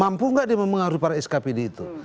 mampu nggak dia mempengaruhi para skpd itu